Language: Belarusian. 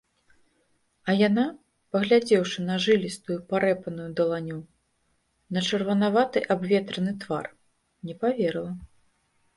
А яна, паглядзеўшы на жылістую, парэпаную даланю, на чырванаваты абветраны твар - не паверыла.